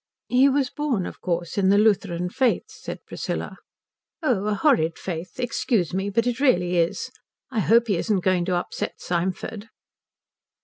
"He was born, of course, in the Lutheran faith," said Priscilla. "Oh, a horrid faith. Excuse me, but it really is. I hope he isn't going to upset Symford?"